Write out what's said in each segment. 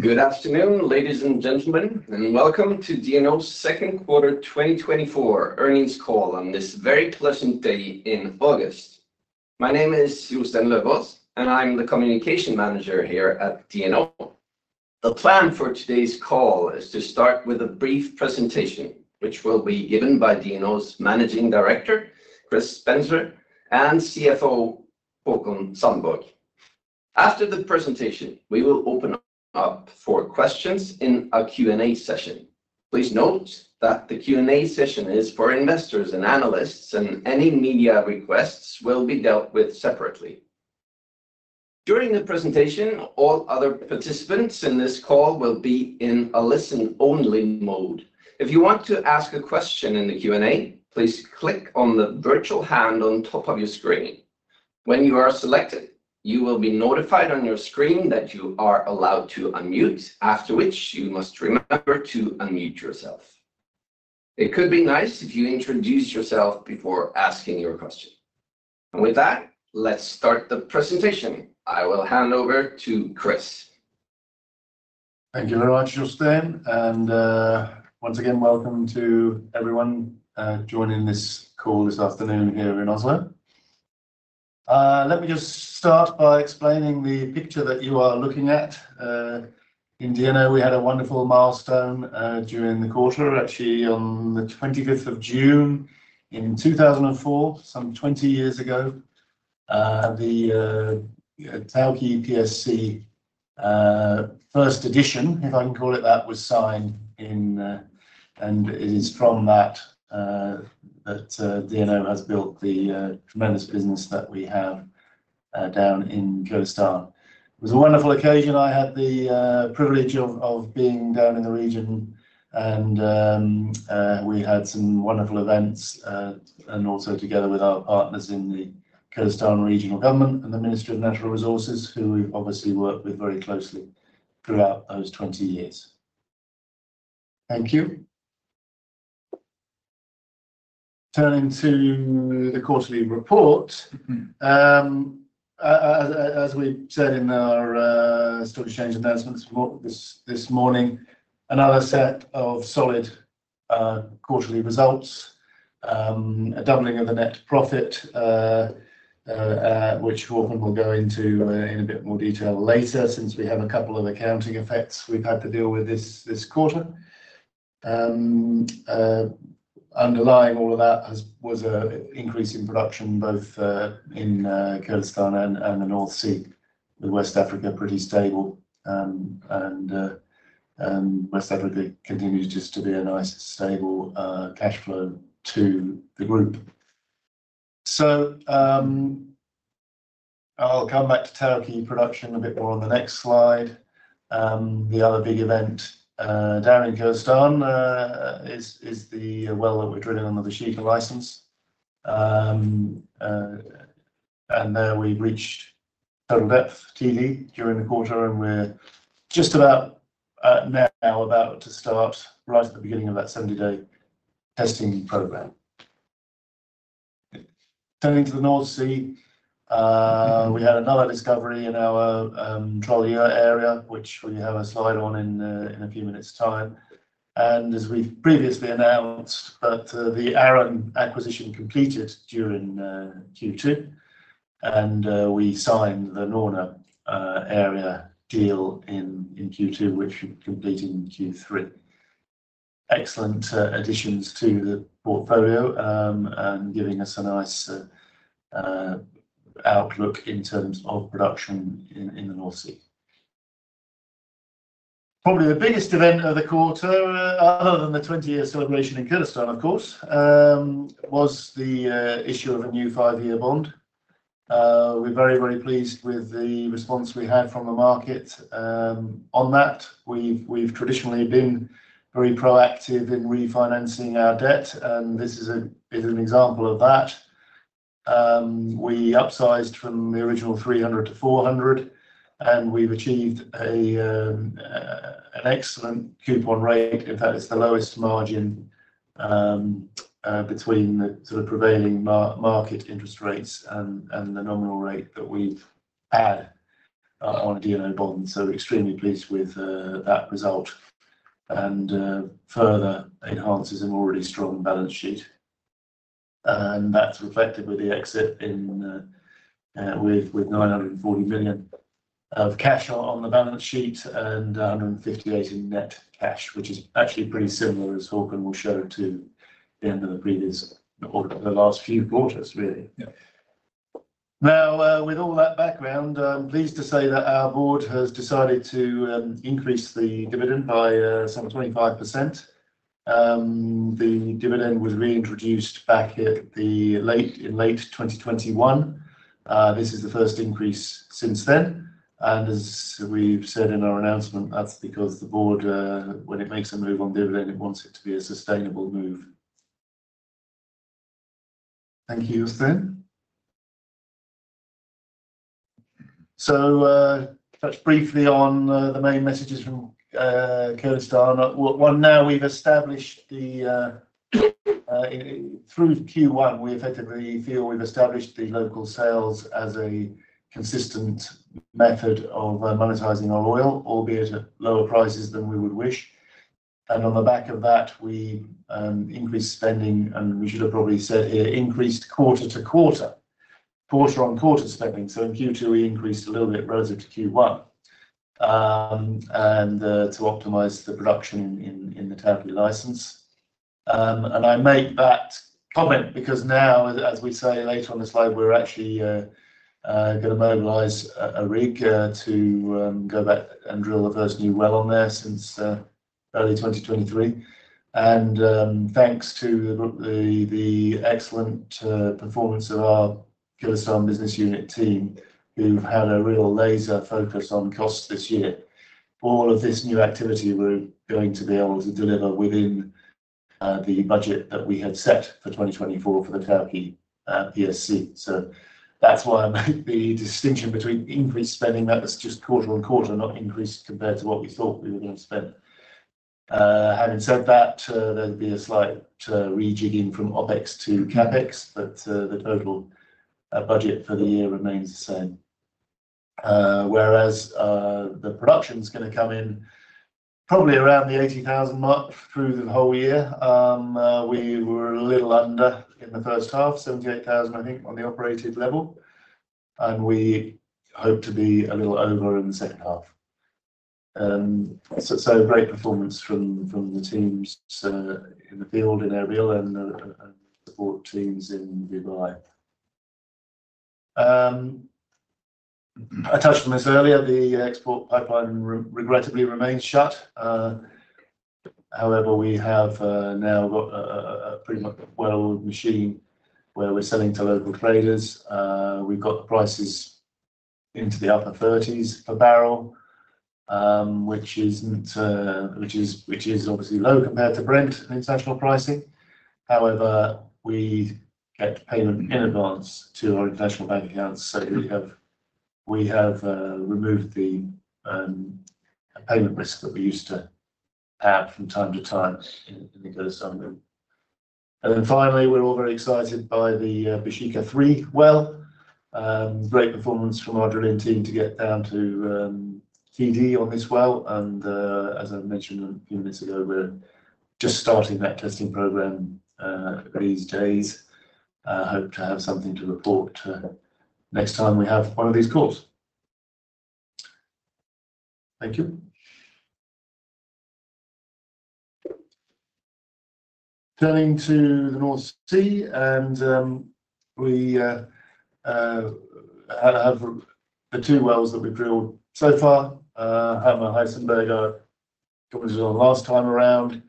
Good afternoon, ladies and gentlemen, and welcome to DNO's Second Quarter 2024 earnings call on this very pleasant day in August. My name is Jostein Løvås, and I'm the Communication Manager here at DNO. The plan for today's call is to start with a brief presentation, which will be given by DNO's Managing Director, Chris Spencer, and CFO, Håkon Sandborg. After the presentation, we will open up for questions in a Q&A session. Please note that the Q&A session is for investors and analysts, and any media requests will be dealt with separately. During the presentation, all other participants in this call will be in a listen-only mode. If you want to ask a question in the Q&A, please click on the virtual hand on top of your screen. When you are selected, you will be notified on your screen that you are allowed to unmute, after which you must remember to unmute yourself. It could be nice if you introduce yourself before asking your question. And with that, let's start the presentation. I will hand over to Chris. Thank you very much, Jostein, and once again, welcome to everyone joining this call this afternoon here in Oslo. Let me just start by explaining the picture that you are looking at. In DNO, we had a wonderful milestone during the quarter. Actually, on the 25th of June in 2004, some 20 years ago, the Tawke PSC, first edition, if I can call it that, was signed in, and it is from that that DNO has built the tremendous business that we have down in Kurdistan. It was a wonderful occasion. I had the privilege of being down in the region and we had some wonderful events, and also together with our partners in the Kurdistan Regional Government and the Ministry of Natural Resources, who we've obviously worked with very closely throughout those 20 years. Thank you. Turning to the quarterly report, as we said in our stock exchange announcements for this morning, another set of solid quarterly results. A doubling of the net profit, which Håkon will go into in a bit more detail later, since we have a couple of accounting effects we've had to deal with this quarter. Underlying all of that was an increase in production, both in Kurdistan and the North Sea, with West Africa pretty stable. West Africa continues just to be a nice, stable, cash flow to the group. So, I'll come back to Tawke production a bit more on the next slide. The other big event down in Kurdistan is the well that we're drilling on the Shaikan license. And there we reached total depth, TD, during the quarter, and we're just about now to start right at the beginning of that 70-day testing program. Turning to the North Sea, we had another discovery in our Troll area, which we have a slide on in a few minutes' time. As we've previously announced that, the Arran acquisition completed during Q2, and we signed the Norne area deal in Q2, which should complete in Q3. Excellent, additions to the portfolio, and giving us a nice outlook in terms of production in the North Sea. Probably the biggest event of the quarter, other than the 20-year celebration in Kurdistan, of course, was the issue of a new 5-year bond. We're very, very pleased with the response we had from the market. On that, we've traditionally been very proactive in refinancing our debt, and this is an example of that. We upsized from the original $300-$400, and we've achieved an excellent coupon rate. In fact, it's the lowest margin between the sort of prevailing market interest rates and the nominal rate that we've had on a DNO bond, so extremely pleased with that result, and further enhances an already strong balance sheet. And that's reflected with the existing $940 million of cash on the balance sheet and $158 million in net cash, which is actually pretty similar, as Håkon will show, to the end of the previous quarter, the last few quarters, really. Yeah. Now, with all that background, I'm pleased to say that our board has decided to increase the dividend by some 25%. The dividend was reintroduced back in the late, in late 2021. This is the first increase since then, and as we've said in our announcement, that's because the board, when it makes a move on dividend, it wants it to be a sustainable move. Thank you, Jostein. So, touch briefly on the main messages from Kurdistan. Well, now we've established the, through Q1, we effectively feel we've established the local sales as a consistent method of monetizing our oil, albeit at lower prices than we would wish. On the back of that, we increased spending, and we should have probably said here, increased quarter-to-quarter, quarter-on-quarter spending. So in Q2, we increased a little bit relative to Q1, and to optimize the production in the Tawke license. I make that comment because now, as we say, later on the slide, we're actually gonna mobilize a rig to go back and drill the first new well on there since early 2023. Thanks to the excellent performance of our Kurdistan business unit team, who've had a real laser focus on costs this year, all of this new activity we're going to be able to deliver within the budget that we had set for 2024 for the Tawke PSC. So that's why I made the distinction between increased spending that was just quarter-over-quarter, not increased compared to what we thought we were going to spend. Having said that, there'd be a slight rejigging from OpEx to CapEx, but the total budget for the year remains the same. Whereas the production's gonna come in probably around the $80,000 mark through the whole year. We were a little under in the first half, $78,000, I think, on the operated level, and we hope to be a little over in the second half. Great performance from the teams in the field, in Erbil, and the support teams in Dubai. I touched on this earlier, the export pipeline regrettably remains shut. However, we have now got a pretty much well-oiled machine where we're selling to local traders. We've got the prices into the upper thirties per barrel, which is obviously low compared to Brent international pricing. However, we get payment in advance to our international bank accounts, so we have removed the payment risk that we used to have from time to time in Kurdistan. And then finally, we're all very excited by the Baeshiqa-3 well. Great performance from our drilling team to get down to TD on this well, and as I mentioned a few minutes ago, we're just starting that testing program these days. I hope to have something to report next time we have one of these calls. Thank you. Turning to the North Sea, we have the 2 wells that we've drilled so far. Hummer and Heisenberg was on last time around,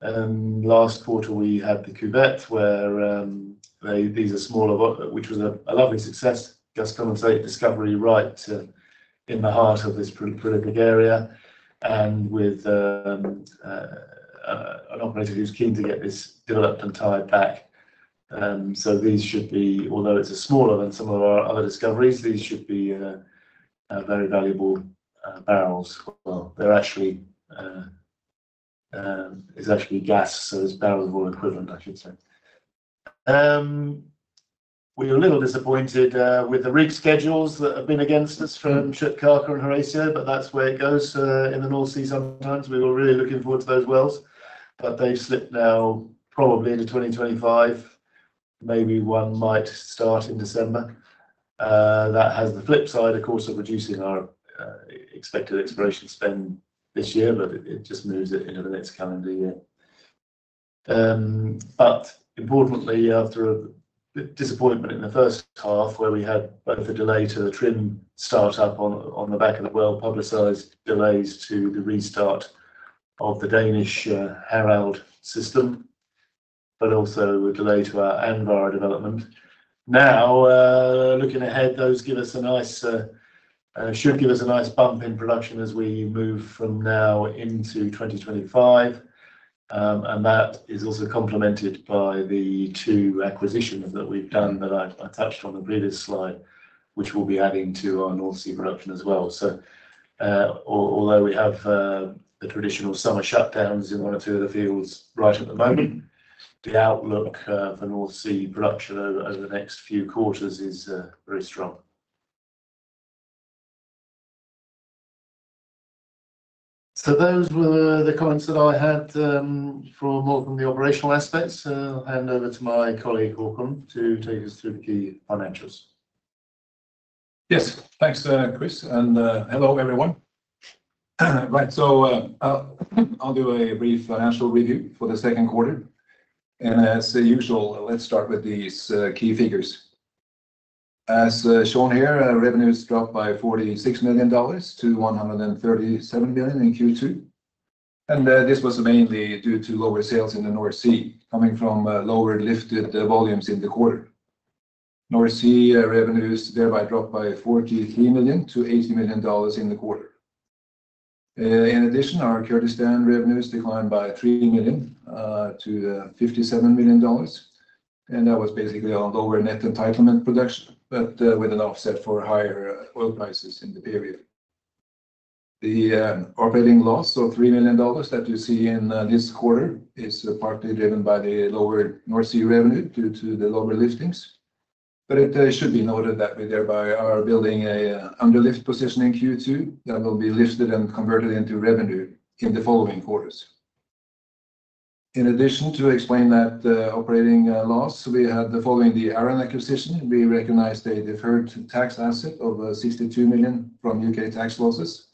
and last quarter we had the Gjøk, where they—these are smaller, but which was a lovely success. Gas condensate discovery right in the heart of this prolific area and with an operator who's keen to get this developed and tied back. So these should be, although it's smaller than some of our other discoveries, these should be very valuable barrels. Well, they're actually, it's actually gas, so it's barrel equivalent, I should say. We're a little disappointed with the rig schedules that have been against us from Sjark and Horatio, but that's where it goes in the North Sea sometimes. We were really looking forward to those wells, but they've slipped now probably into 2025. Maybe one might start in December. That has the flip side, of course, of reducing our expected exploration spend this year, but it just moves it into the next calendar year. But importantly, after a bit disappointment in the first half, where we had both a delay to the Trym start-up on the back of the well-publicized delays to the restart of the Danish Harald system, but also a delay to our Andvare development. Now, looking ahead, those give us a nice bump in production as we move from now into 2025. And that is also complemented by the two acquisitions that we've done that I touched on the previous slide, which we'll be adding to our North Sea production as well. So, although we have the traditional summer shutdowns in one or two of the fields right at the moment, the outlook for North Sea production over the next few quarters is very strong. So those were the comments that I had from more from the operational aspects. I'll hand over to my colleague, Håkon, to take us through the key financials. Yes. Thanks, Chris, and hello, everyone. Right. So, I'll do a brief financial review for the second quarter. And as usual, let's start with these key figures. As shown here, revenues dropped by $46 million-$137 million in Q2, and this was mainly due to lower sales in the North Sea, coming from lower lifted volumes in the quarter. North Sea revenues thereby dropped by $43 million-$80 million in the quarter. In addition, our Kurdistan revenues declined by $3 million-$57 million, and that was basically on lower net entitlement production, but with an offset for higher oil prices in the period. The operating loss of $3 million that you see in this quarter is partly driven by the lower North Sea revenue due to the lower liftings. But it should be noted that we thereby are building a underlift position in Q2 that will be lifted and converted into revenue in the following quarters. In addition, to explain that operating loss, following the Arran acquisition, we recognized a deferred tax asset of $62 million from U.K. tax losses,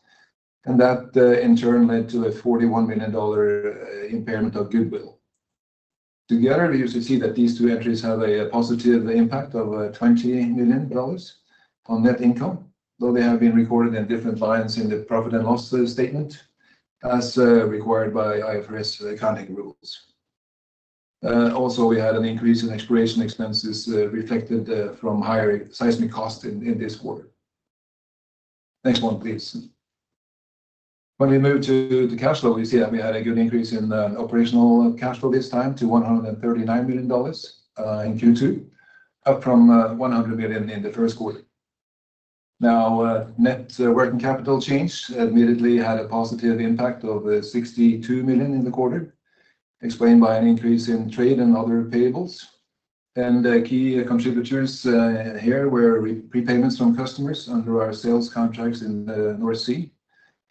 and that in turn led to a $41 million impairment of goodwill. Together, you see that these two entries have a positive impact of $20 million on net income, though they have been recorded in different lines in the profit and loss statement, as required by IFRS accounting rules. Also, we had an increase in exploration expenses, reflected from higher seismic costs in this quarter. Next one, please. When we move to the cash flow, we see that we had a good increase in operational cash flow this time to $139 million in Q2, up from $100 million in the first quarter. Now, net working capital change admittedly had a positive impact of $62 million in the quarter, explained by an increase in trade and other payables. And key contributors here were prepayments from customers under our sales contracts in the North Sea,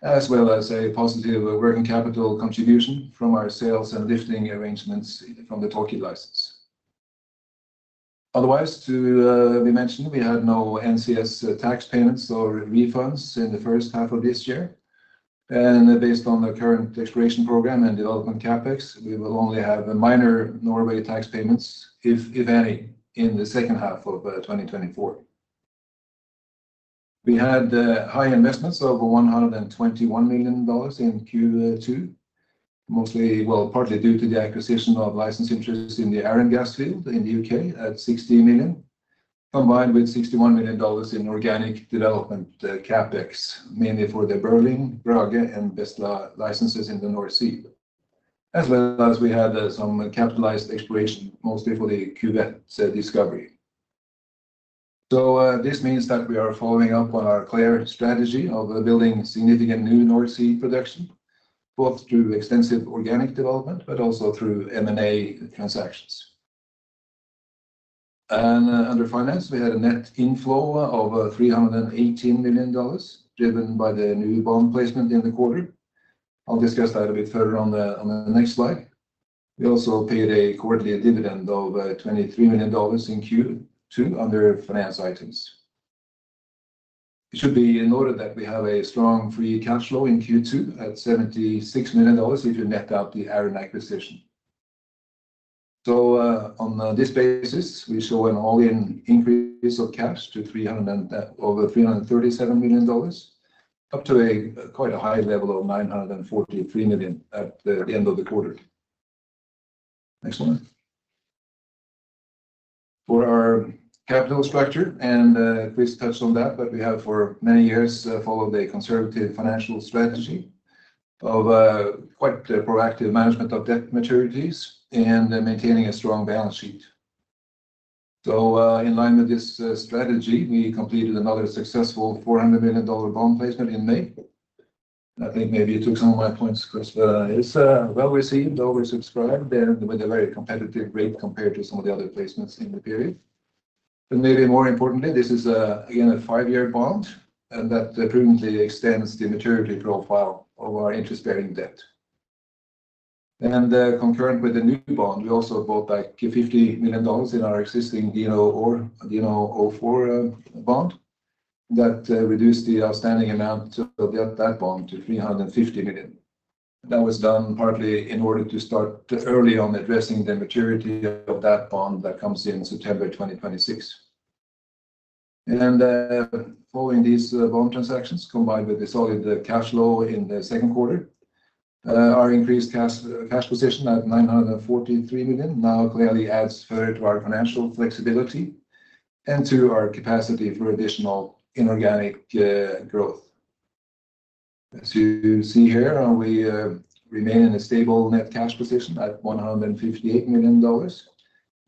as well as a positive working capital contribution from our sales and lifting arrangements from the Tawke license. Otherwise, we mentioned we had no NCS tax payments or refunds in the first half of this year, and based on the current exploration program and development CapEx, we will only have minor Norway tax payments, if any, in the second half of 2024. We had high investments over $121 million in Q2, mostly well, partly due to the acquisition of license interests in the Arran gas field in the U.K. at $60 million, combined with $61 million in organic development CapEx, mainly for the Berling, Brage and Bestla licenses in the North Sea. As well as we had some capitalized exploration, mostly for the Gjøk discovery. So, this means that we are following up on our clear strategy of building significant new North Sea production, both through extensive organic development, but also through M&A transactions. Under finance, we had a net inflow of $318 million, driven by the new bond placement in the quarter. I'll discuss that a bit further on the next slide. We also paid a quarterly dividend of $23 million in Q2 under finance items. It should be in order that we have a strong free cash flow in Q2 at $76 million, if you net out the Arran acquisition. So, on this basis, we saw an all-in increase of cash of over $337 million dollars, up to a quite a high level of $943 million at the end of the quarter. Next one. For our capital structure, Chris touched on that, but we have for many years followed a conservative financial strategy of quite proactive management of debt maturities and maintaining a strong balance sheet. So, in line with this strategy, we completed another successful $400 million bond placement in May. I think maybe you took some of my points, 'cause, it's well received, oversubscribed, and with a very competitive rate compared to some of the other placements in the period. But maybe more importantly, this is again a five-year bond, and that prudently extends the maturity profile of our interest-bearing debt. And concurrent with the new bond, we also bought back $50 million in our existing DNO04 bond. That reduced the outstanding amount of that bond to $350 million. That was done partly in order to start early on addressing the maturity of that bond that comes in September 2026. Following these bond transactions, combined with the solid cash flow in the second quarter, our increased cash position at $943 million now clearly adds further to our financial flexibility and to our capacity for additional inorganic growth. As you see here, we remain in a stable net cash position at $158 million,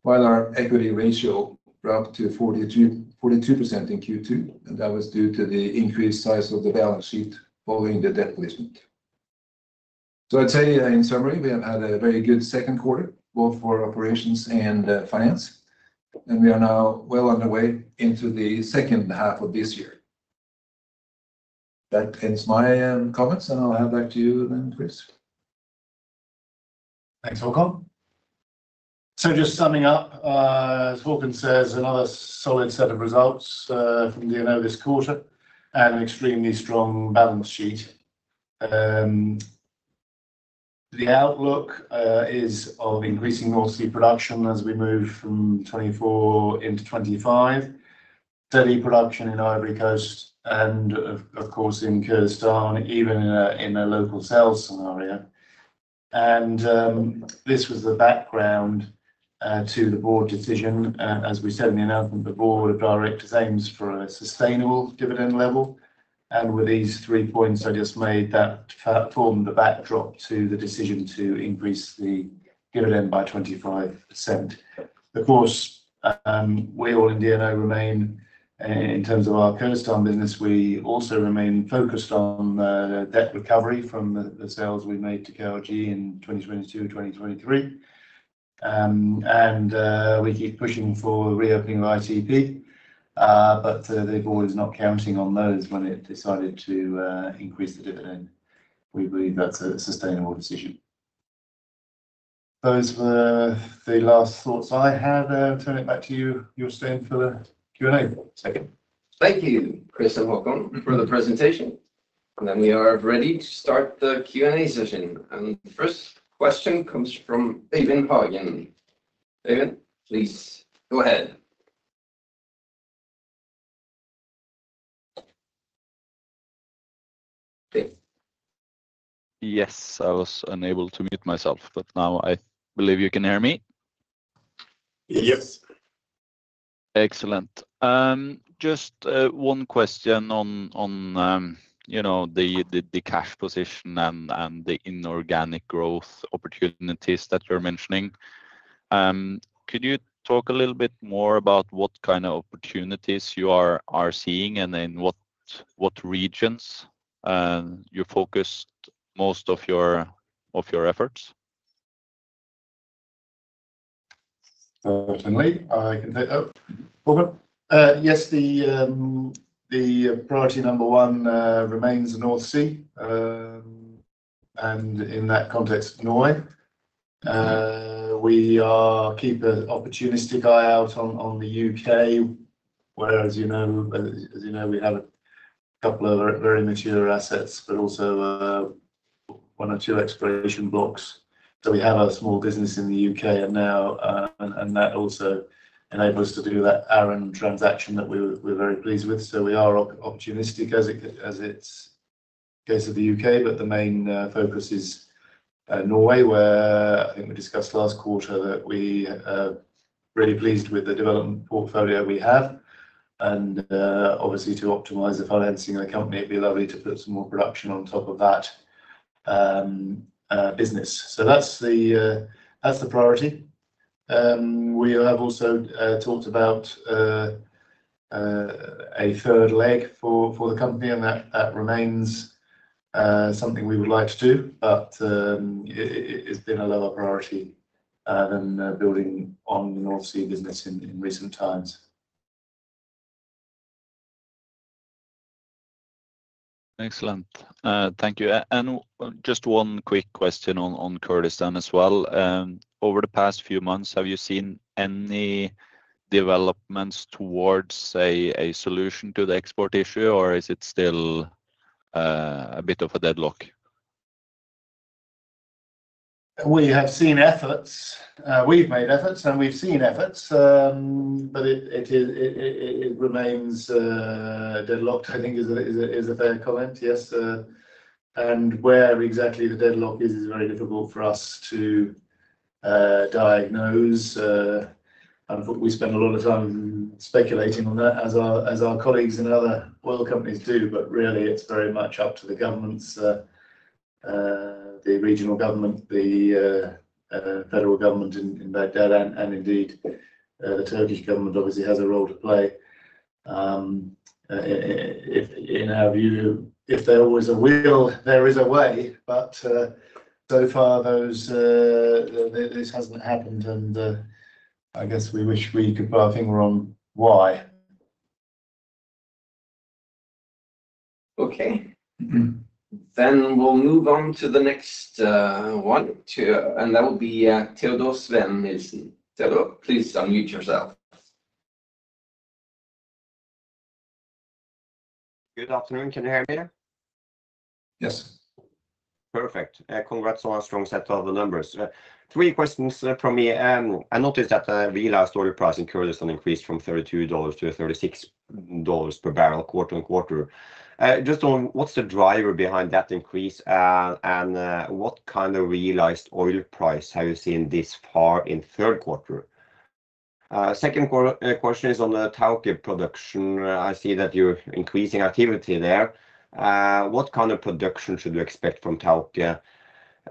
while our equity ratio dropped to 42% in Q2, and that was due to the increased size of the balance sheet following the debt placement. I'd say in summary, we have had a very good second quarter, both for operations and finance, and we are now well underway into the second half of this year. That ends my comments, and I'll hand back to you then, Chris. Thanks, Håkon. So just summing up, as Håkon says, another solid set of results from DNO this quarter, and extremely strong balance sheet. The outlook is of increasing North Sea production as we move from 2024 into 2025. Steady production in Ivory Coast and of, of course, in Kurdistan, even in a local sales scenario. And this was the background to the board decision. As we said in the announcement, the board of directors aims for a sustainable dividend level. And with these three points I just made, that form the backdrop to the decision to increase the dividend by $0.25. Of course, we all in DNO remain, in terms of our Kurdistan business, we also remain focused on the debt recovery from the sales we made to KRG in 2022 and 2023. We keep pushing for reopening of ITP, but the board is not counting on those when it decided to increase the dividend. We believe that's a sustainable decision. Those were the last thoughts I had. I'll turn it back to you, Jostein, for the Q&A. Okay. Thank you, Chris and Håkon, for the presentation. And then we are ready to start the Q&A session. And the first question comes from Eivind Hagen. Eivind, please go ahead. Eivind? Yes, I was unable to mute myself, but now I believe you can hear me. Yes. Excellent. Just one question on you know, the cash position and the inorganic growth opportunities that you're mentioning. Could you talk a little bit more about what kind of opportunities you are seeing, and in what regions you focused most of your efforts? Certainly, I can. Oh, Håkon? Yes, the priority number one remains the North Sea. And in that context, Norway. We are keep an opportunistic eye out on the U.K., where, as you know, as you know, we have a couple of very mature assets, but also one or two exploration blocks. So we have a small business in the U.K. and now, and that also enabled us to do that Arran transaction that we were, we're very pleased with. So we are opportunistic as it's the case of the U.K., but the main focus is Norway, where I think we discussed last quarter that we are really pleased with the development portfolio we have, and obviously, to optimize the financing of the company, it'd be lovely to put some more production on top of that business. So that's the priority. We have also talked about a third leg for the company, and that remains something we would like to do, but it's been a lower priority than building on the North Sea business in recent times. Excellent. Thank you. And just one quick question on Kurdistan as well. Over the past few months, have you seen any developments towards, say, a solution to the export issue, or is it still a bit of a deadlock? We have seen efforts. We've made efforts, and we've seen efforts, but it remains deadlocked, I think is a fair comment. Yes, and where exactly the deadlock is is very difficult for us to diagnose. And we spend a lot of time speculating on that as our colleagues in other oil companies do, but really, it's very much up to the governments, the regional government, the federal government in Baghdad, and indeed, the Turkish government obviously has a role to play. In our view, if there was a will, there is a way, but so far, this hasn't happened, and I guess we wish we could put our finger on why. Okay. Then we'll move on to the next, one, two, and that will be, Teodor Sveen-Nilsen. Teodor, please unmute yourself. Good afternoon. Can you hear me? Yes. Perfect. Congrats on a strong set of the numbers. Three questions from me. I noticed that the realized oil price in Kurdistan increased from $32-$36 per bbl, quarter-over-quarter. Just on what's the driver behind that increase, and what kind of realized oil price have you seen this far in third quarter? Second question is on the Tawke production. I see that you're increasing activity there. What kind of production should we expect from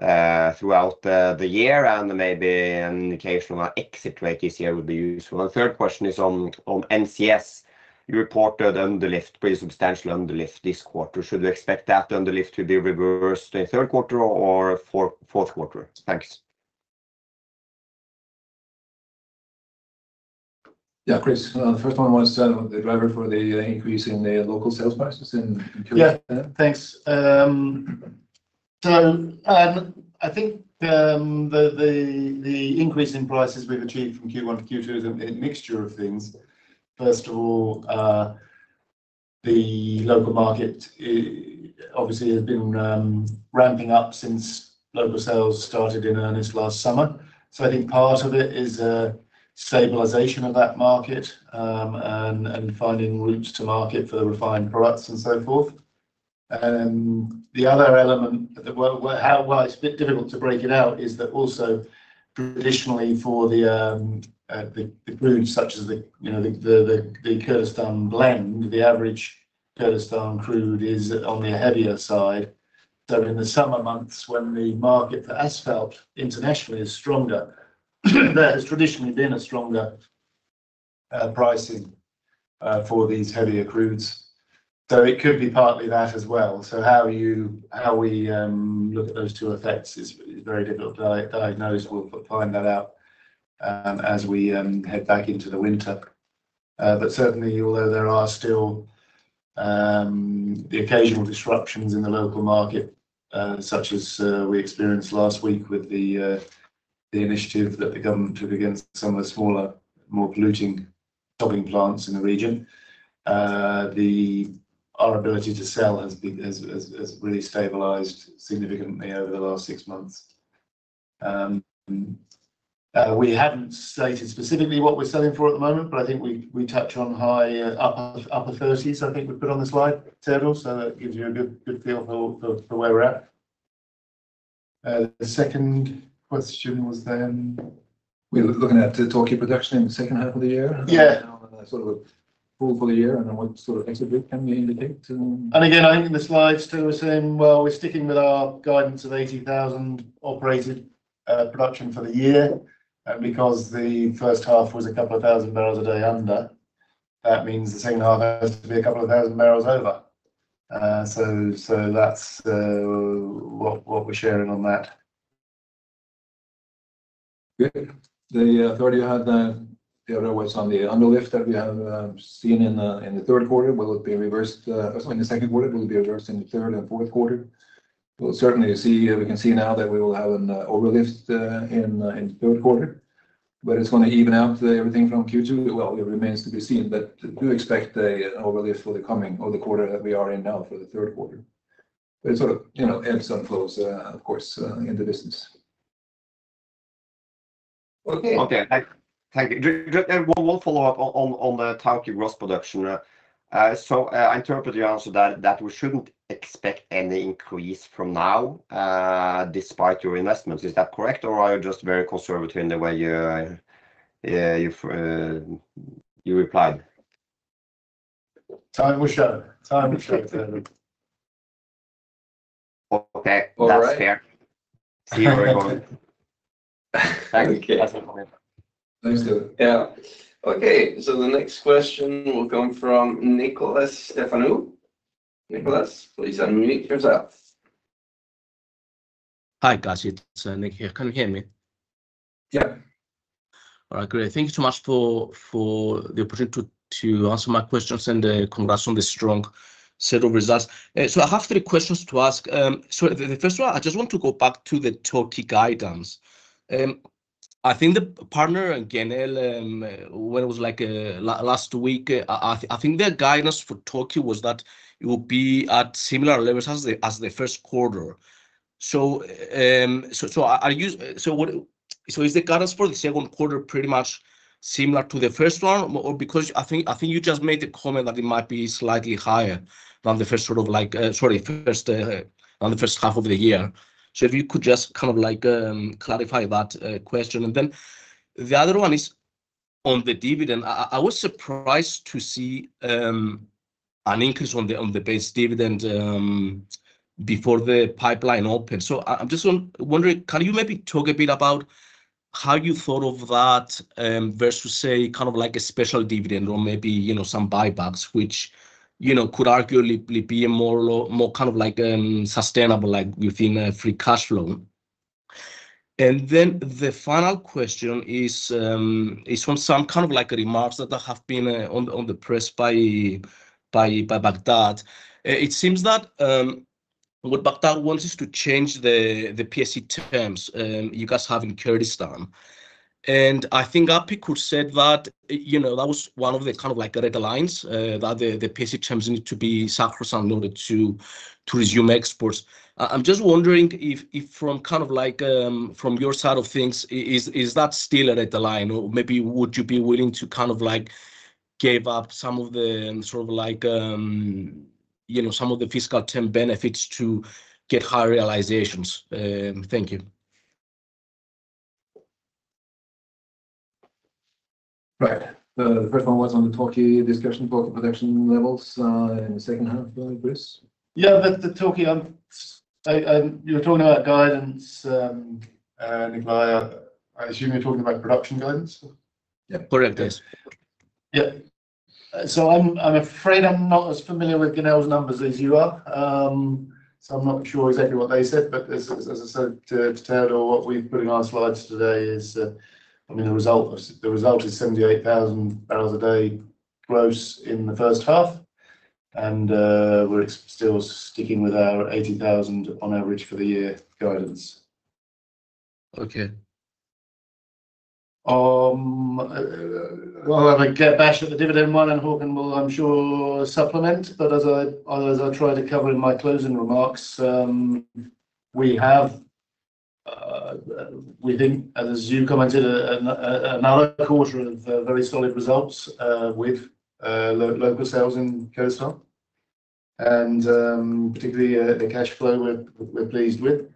Tawke throughout the year, and maybe an indication on exit rate this year would be useful? The third question is on NCS. You reported underlift, pretty substantially underlift this quarter. Should we expect that underlift to be reversed in third quarter or fourth quarter? Thanks. Yeah, Chris, the first one was the driver for the increase in the local sales prices in Kurdistan. Yeah, thanks. So, I think the increase in prices we've achieved from Q1-Q2 is a mixture of things. First of all, the local market obviously has been ramping up since local sales started in earnest last summer. So I think part of it is stabilization of that market and finding routes to market for the refined products and so forth. The other element that, well, it's a bit difficult to break it out is that also traditionally for the crude, such as, you know, the Kurdistan blend, the average Kurdistan crude is on the heavier side. So in the summer months, when the market for asphalt internationally is stronger, there has traditionally been a stronger pricing for these heavier crudes. So it could be partly that as well. So how we look at those two effects is very difficult to diagnose. We'll find that out as we head back into the winter. But certainly, although there are still the occasional disruptions in the local market, such as we experienced last week with the initiative that the government took against some of the smaller, more polluting topping plants in the region. Our ability to sell has really stabilized significantly over the last six months. We haven't stated specifically what we're selling for at the moment, but I think we touch on high upper $30s, I think we put on the slide, Teodor, so that gives you a good feel for where we're at. The second question was then? We're looking at the Tawke production in the second half of the year. Yeah. Sort of a full for the year, and then what sort of exit can we indicate to? Again, I think the slides too are saying, well, we're sticking with our guidance of 80,000 operated production for the year. Because the first half was a couple of thousand barrels a day under, that means the second half has to be a couple of thousand barrels over. So that's what we're sharing on that. Yeah. The authority had the other was on the underlift that we have seen in the third quarter. Will it be reversed in the second quarter? Will it be reversed in the third and fourth quarter? Well, certainly you see, we can see now that we will have an overlift in the third quarter, but it's gonna even out everything from Q2. Well, it remains to be seen, but we do expect a overlift for the coming or the quarter that we are in now, for the third quarter. It sort of, you know, ebbs and flows, of course, in the business. Okay. Okay. Thank you. Just one follow-up on the Tawke gross production. So, I interpret your answer that we shouldn't expect any increase from now, despite your investments. Is that correct, or are you just very conservative in the way you replied? Time will show. Time will show, Teodor. Okay. All right. That's fair. See you everyone. Thank you. Thanks, good. Yeah. Okay, so the next question will come from Nikolas Stefanou. Nicholas, please unmute yourself. Hi, guys. It's Nick here. Can you hear me? Yep. All right, great. Thank you so much for the opportunity to answer my questions, and congrats on the strong set of results. So I have three questions to ask. So the first one, I just want to go back to the Tawke guidance. I think the partner, Genel, when it was like last week, I think their guidance for Tawke was that it would be at similar levels as the first quarter. So, so I use... So what- so is the guidance for the second quarter pretty much similar to the first one? Or because I think, I think you just made the comment that it might be slightly higher than the first sort of like, sorry, first, than the first half of the year. So if you could just kind of like clarify that question. And then the other one is on the dividend. I was surprised to see an increase on the base dividend before the pipeline opened. So I'm just wondering, can you maybe talk a bit about how you thought of that versus, say, kind of like a special dividend or maybe, you know, some buybacks, which, you know, could arguably be a more kind of like sustainable, like within a free cash flow? And then the final question is from some kind of like remarks that have been on the press by Baghdad. It seems that what Baghdad wants is to change the PSC terms you guys have in Kurdistan. I think APIKUR said that, you know, that was one of the kind of like, red lines, that the PSC terms need to be satisfied in order to resume exports. I'm just wondering if, from kind of like, from your side of things, is that still a red line? Or maybe would you be willing to kind of like, give up some of the sort of like, you know, some of the fiscal term benefits to get higher realizations? Thank you. Right. The first one was on the Tawke discussion about the production levels in the second half, Chris? Yeah, but the Tawke, you're talking about guidance, Nicholas, I assume you're talking about production guidance? Yeah, correct, yes. Yeah. So I'm, I'm afraid I'm not as familiar with Genel's numbers as you are. So I'm not sure exactly what they said, but as, as I said to, to Teodor, what we're putting on slides today is, I mean, the result, the result is 78,000 barrels a day gross in the first half, and, we're still sticking with our 80,000 on average for the year guidance. Okay. Well, I'm gonna take a stab at the dividend one, and Håkon will, I'm sure, supplement, but as I tried to cover in my closing remarks, we have, we think, as you commented, another quarter of very solid results, with local sales in Kurdistan. And, particularly, the cash flow, we're pleased with.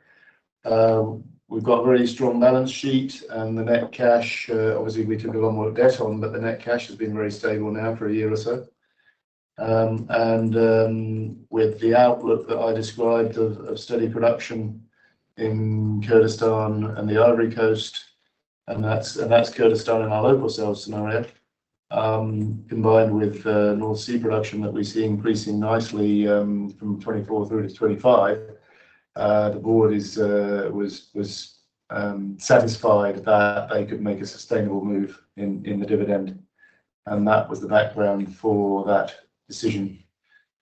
We've got a very strong balance sheet, and the net cash, obviously, we took a lot more debt on, but the net cash has been very stable now for a year or so... and, with the outlook that I described of steady production in Kurdistan and the Ivory Coast, and that's Kurdistan in our local sales scenario, combined with North Sea production that we see increasing nicely, from 2024 through to 2025. The board is satisfied that they could make a sustainable move in the dividend, and that was the background for that decision.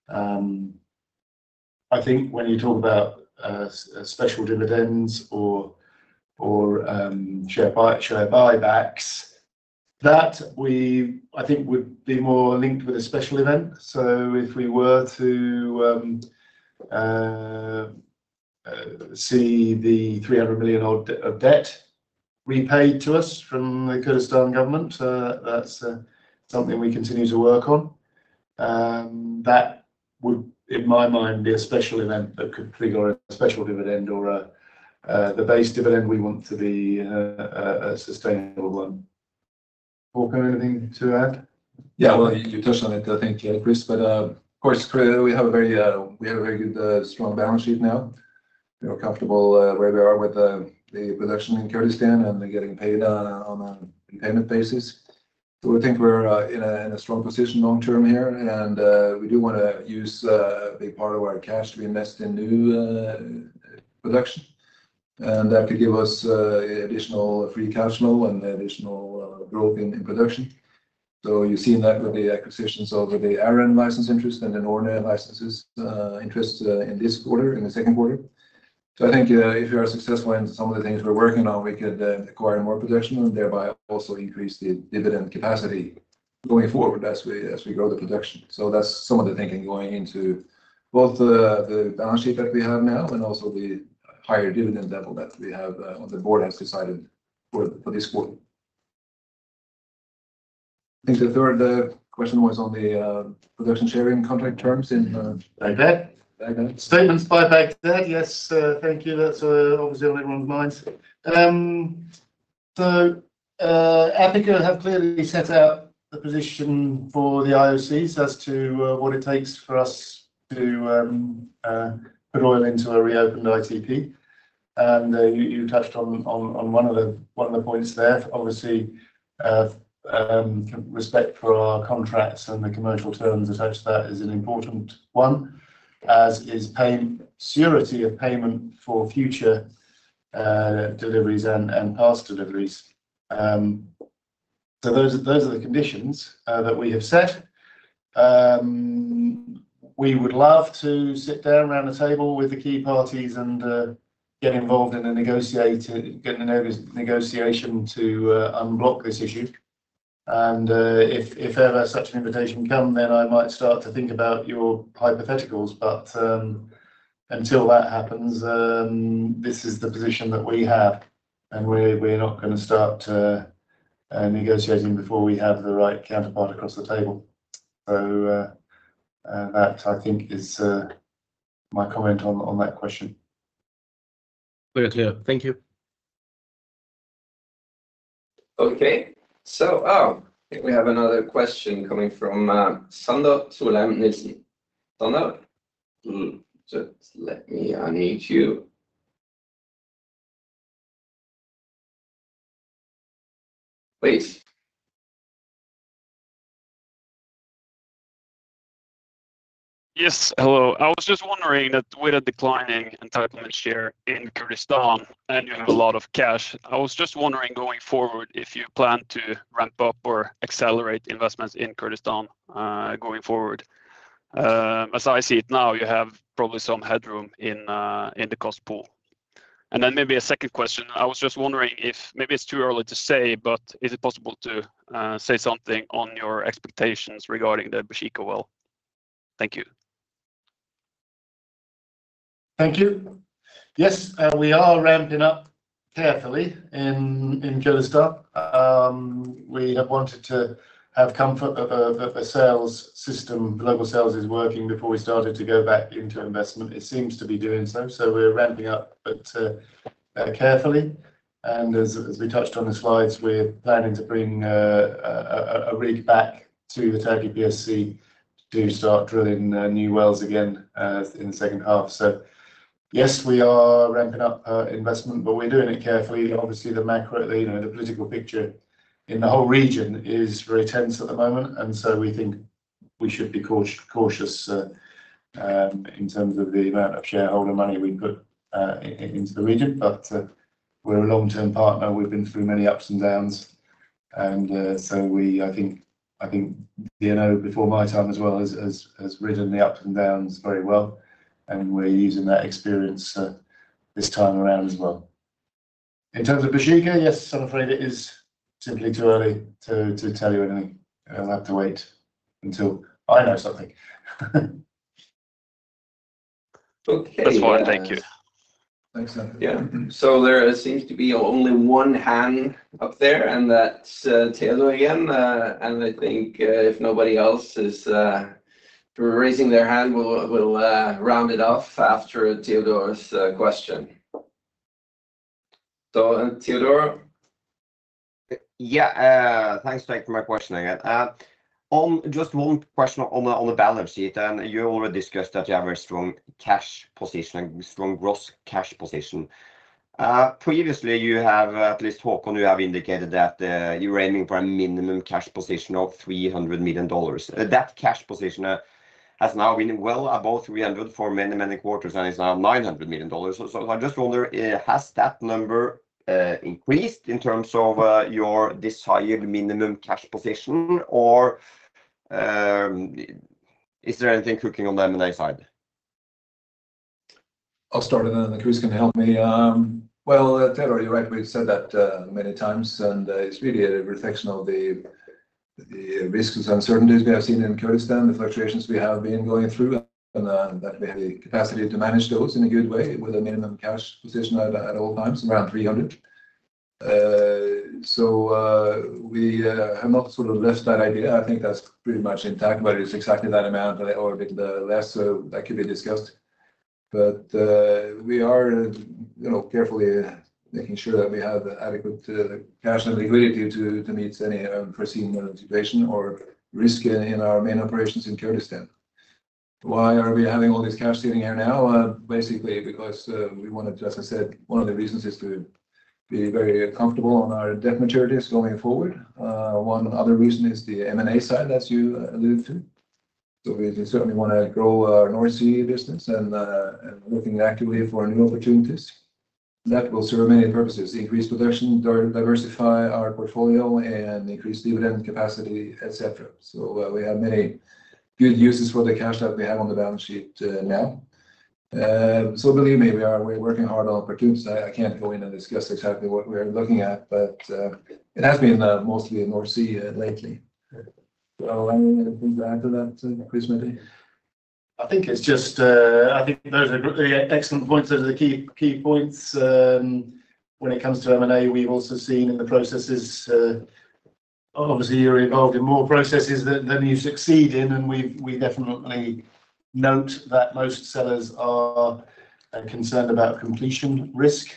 I think when you talk about special dividends or share buybacks, that I think would be more linked with a special event. So if we were to see the $300 million odd of debt repaid to us from the Kurdistan government, that's something we continue to work on. That would, in my mind, be a special event that could trigger a special dividend or the base dividend we want to be a sustainable one. Volker, anything to add? Yeah, well, you touched on it, I think, Chris, but, of course, we have a very good, strong balance sheet now. We are comfortable where we are with the production in Kurdistan and getting paid on a payment basis. So we think we're in a strong position long term here, and we do wanna use a big part of our cash to invest in new production. And that could give us additional free cash flow and additional growth in production. So you've seen that with the acquisitions of the Arran license interest and the Norne licenses interest in this quarter, in the second quarter. So I think, if you are successful in some of the things we're working on, we could acquire more production and thereby also increase the dividend capacity going forward as we, as we grow the production. So that's some of the thinking going into both the, the balance sheet that we have now and also the higher dividend level that we have, on the board has decided for, for this quarter. I think the third question was on the production sharing contract terms in Baghdad. Baghdad. Statements pipe back to that. Yes, thank you. That's obviously on everyone's minds. So, APIKUR have clearly set out the position for the IOCs as to what it takes for us to put oil into a reopened ITP. And you touched on one of the points there, obviously, respect for our contracts and the commercial terms as such. That is an important one, as is paying surety of payment for future deliveries and past deliveries. So those are the conditions that we have set. We would love to sit down around the table with the key parties and get involved in a negotiation to unblock this issue. If ever such an invitation come, then I might start to think about your hypotheticals, but until that happens, this is the position that we have, and we're not gonna start negotiating before we have the right counterpart across the table. So, and that, I think, is my comment on that question. Very clear. Thank you. Okay. So, I think we have another question coming from Sander Solheim Nilsen. Sander, just let me unmute you. Please. Yes, hello. I was just wondering that with a declining entitlement share in Kurdistan, and you have a lot of cash, I was just wondering, going forward, if you plan to ramp up or accelerate investments in Kurdistan, going forward. As I see it now, you have probably some headroom in the cost pool. And then maybe a second question, I was just wondering if maybe it's too early to say, but is it possible to say something on your expectations regarding the Baeshiqa well? Thank you. Thank you. Yes, we are ramping up carefully in, in Kurdistan. We have wanted to have comfort of a, of a sales system, global sales is working before we started to go back into investment. It seems to be doing so, so we're ramping up, but carefully. And as, as we touched on the slides, we're planning to bring a rig back to the Tawke PSC to start drilling new wells again in the second half. So yes, we are ramping up investment, but we're doing it carefully. Obviously, the macro, you know, the political picture in the whole region is very tense at the moment, and so we think we should be cautious in terms of the amount of shareholder money we put into the region. But we're a long-term partner. We've been through many ups and downs, and so we... I think, I think, DNO, before my time as well, has ridden the ups and downs very well, and we're using that experience this time around as well. In terms of Baeshiqa, yes, I'm afraid it is simply too early to tell you anything. You'll have to wait until I know something. Okay. That's fine. Thank you. Thanks, Sander. Yeah. So there seems to be only one hand up there, and that's Teodor again. And I think, if nobody else is raising their hand, we'll round it off after Teodor's question. So, and Teodor? Yeah, thanks, thanks for my question again. On just one question on the balance sheet, and you already discussed that you have a very strong cash position and strong gross cash position. Previously, you have at least, Håkon, you have indicated that you're aiming for a minimum cash position of $300 million. That cash position has now been well above $300 million for many, many quarters, and it's now $900 million. So I just wonder, has that number increased in terms of your desired minimum cash position, or is there anything cooking on the M&A side? I'll start, and then Chris can help me. Well, Teodor, you're right. We've said that many times, and it's really a reflection of the risks and uncertainties we have seen in Kurdistan, the fluctuations we have been going through, and that we have the capacity to manage those in a good way with a minimum cash position at all times, around $300 million. So, we have not sort of left that idea. I think that's pretty much intact, whether it's exactly that amount or a bit less, that could be discussed. But we are, you know, carefully making sure that we have adequate cash and liquidity to meet any unforeseen situation or risk in our main operations in Kurdistan. Why are we having all this cash sitting here now? Basically because, as I said, one of the reasons is to be very comfortable on our debt maturities going forward. One other reason is the M&A side, as you alluded to. So we certainly wanna grow our North Sea business and looking actively for new opportunities. That will serve many purposes, increase production, diversify our portfolio, and increase dividend capacity, et cetera. So we have many good uses for the cash that we have on the balance sheet now. So believe me, we are, we're working hard on opportunities. I can't go in and discuss exactly what we are looking at, but it has been mostly in North Sea lately. So anything to add to that, Chris, maybe? I think it's just. I think those are excellent points. Those are the key, key points. When it comes to M&A, we've also seen in the processes, obviously, you're involved in more processes than you succeed in, and we've we definitely note that most sellers are concerned about completion risk,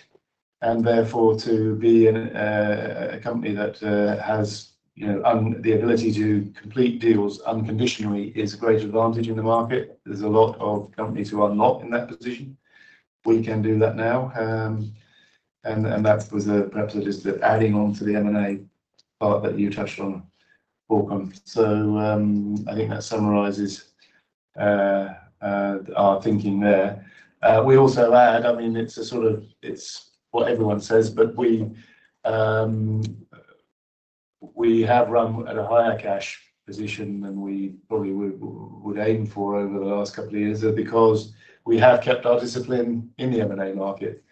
and therefore, to be in a company that has, you know, the ability to complete deals unconditionally is a great advantage in the market. There's a lot of companies who are not in that position. We can do that now, and that was perhaps just adding on to the M&A part that you touched on, Håkon. So, I think that summarizes our thinking there. We also add, I mean, it's a sort of, it's what everyone says, but we have run at a higher cash position than we probably would aim for over the last couple of years because we have kept our discipline in the M&A market.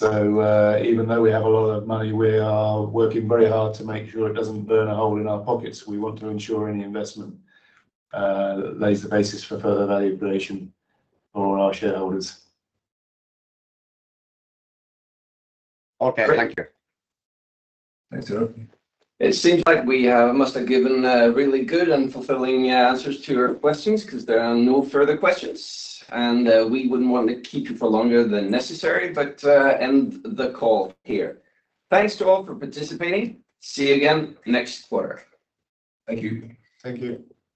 So, even though we have a lot of money, we are working very hard to make sure it doesn't burn a hole in our pockets. We want to ensure any investment lays the basis for further value creation for our shareholders. Okay. Thank you. Thanks, Theodore. It seems like we must have given really good and fulfilling answers to your questions 'cause there are no further questions, and we wouldn't want to keep you for longer than necessary, but end the call here. Thanks to all for participating. See you again next quarter. Thank you. Thank you.